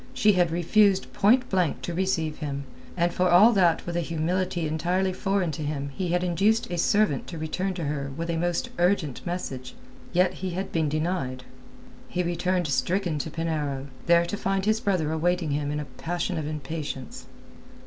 She had refused point blank to receive him, and for all that with a humility entirely foreign to him he had induced a servant to return to her with a most urgent message, yet he had been denied. He returned stricken to Penarrow, there to find his brother awaiting him in a passion of impatience.